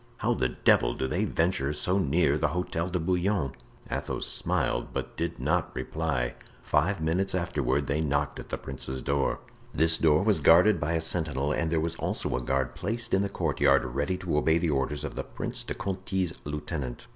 "How the devil do they venture so near the Hotel de Bouillon?" Athos smiled, but did not reply. Five minutes afterward they knocked at the prince's door. This door was guarded by a sentinel and there was also a guard placed in the courtyard, ready to obey the orders of the Prince de Conti's lieutenant.